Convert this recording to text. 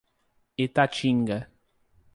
Itatinga